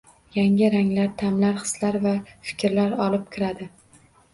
Yangi ranglar, taʼmlar, hislar va fikrlar olib kiradi